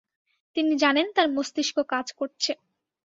তিনি জানেন তাঁর মস্তিষ্ক কাজ করছে।